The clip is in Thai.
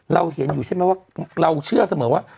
เราเห็นอยู่ใช่ไหมว่า